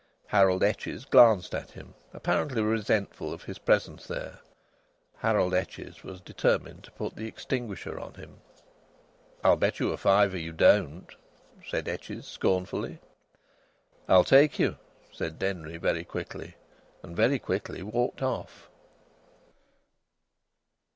Harold Etches glanced at him, apparently resentful of his presence there. Harold Etches was determined to put the extinguisher on him. "I'll bet you a fiver you don't," said Etches scornfully. "I'll take you," said Denry, very quickly, and very quickly walked off.